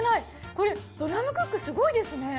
これドラムクックすごいですね。